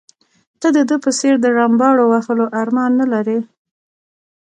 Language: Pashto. ته د ده په څېر د رمباړو وهلو ارمان نه لرې.